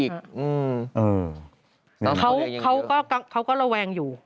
เขาก็ระแวงอยู่